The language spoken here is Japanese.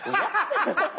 ハハハハ！